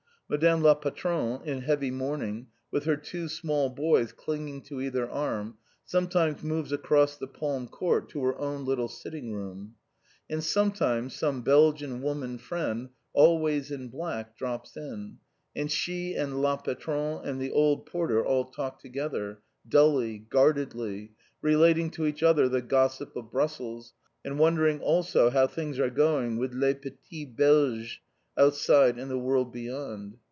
Madame la Patronne, in heavy mourning, with her two small boys clinging to either arm, sometimes moves across the palm court to her own little sitting room. And sometimes some Belgian woman friend, always in black, drops in, and she and la Patronne and the old porter all talk together, dully, guardedly, relating to each other the gossip of Brussels, and wondering always how things are going with "les petits Belges" outside in the world beyond.